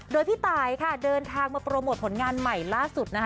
โดยพี่ตายค่ะเดินทางมาโปรโมทผลงานใหม่ล่าสุดนะคะ